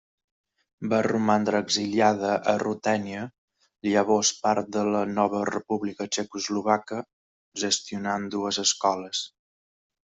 Va romandre exiliada a Rutènia, llavors part de la nova República txecoslovaca, gestionant dues escoles.